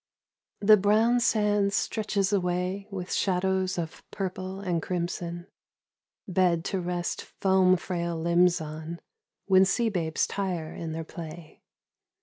THE brown sand stretches away with shadows of purple and crimson Bed to rest foam frail limbs on, when sea babes tire in their play.